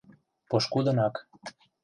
— Пошкудынак.